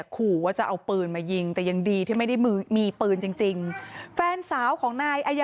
คู่ว่าจะเอาปืนมายิงหรือยังดีที่ไม่ได้มีปืนจริง